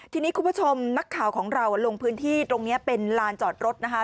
ทีนี้คุณผู้ชมนักข่าวของเราลงพื้นที่ตรงนี้เป็นลานจอดรถนะคะ